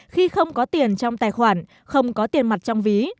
khi không có tiền trong tài khoản không có tiền mặt trong ví